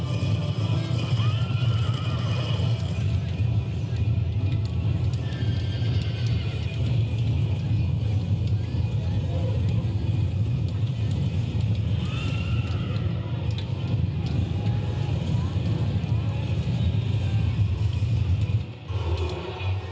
สวัสดีครับทุกคน